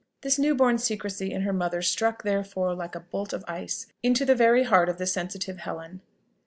This new born secrecy in her mother struck therefore like a bolt of ice into the very heart of the sensitive Helen.